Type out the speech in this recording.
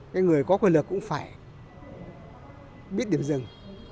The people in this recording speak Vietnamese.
cái người có quyền lực cũng phải biết điểm dừng